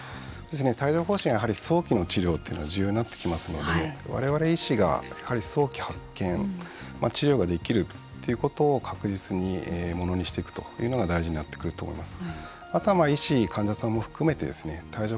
帯状ほう疹は早期の治療というのが重要になってきますので我々医師がやはり早期発見治療ができるということを確実にものにしていくというのが大事になってくると思います。